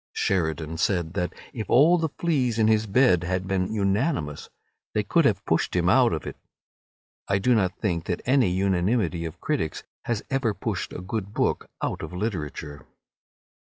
Sheridan said that if all the fleas in his bed had been unanimous, they could have pushed him out of it. I do not think that any unanimity of critics has ever pushed a good book out of literature.